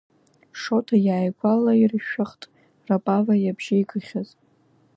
Шоҭа иааигәалаиршәахт Рапава иабжьеигахьаз.